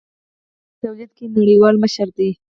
چین په تولید کې نړیوال مشر دی.